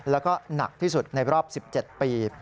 แล้วก็หนักที่สุดในรอบ๑๗ปี